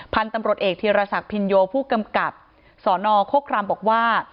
พันธุ์ตำรวจเอกธีรศักดิ์พินโยผู้กำกับสนโคครามบอกว่า